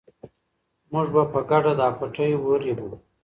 موږ به په ګډه دا پټی ورېبو.